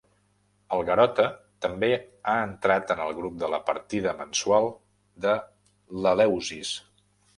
El Garota també ha entrat en el grup de la partida mensual de l'Eleusis.